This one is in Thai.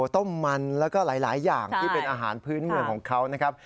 ต้มมันแล้วก็หลายอย่างที่เป็นอาหารพื้นเมืองของเขานะครับ